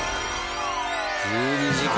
１２時間。